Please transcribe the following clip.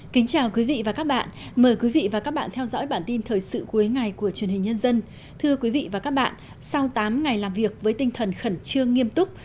thưa quý vị và các bạn sau tám ngày làm việc với tinh thần khẩn trương nghiêm túc